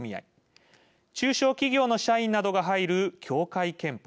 中小企業の社員などが入る協会けんぽ。